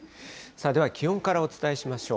では気温からお伝えしましょう。